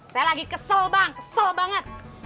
saya lagi kesel bang kesel banget